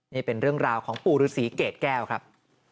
นี่เป็นเรื่องราวของปู่ฤษีเกรดแก้วครับ